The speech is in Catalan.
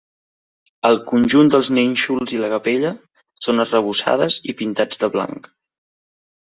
El conjunt dels nínxols i la capella són arrebossades i pintats de blanc.